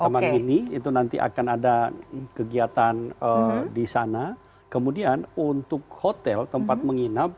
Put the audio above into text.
taman mini itu nanti akan ada kegiatan di sana kemudian untuk hotel tempat menginap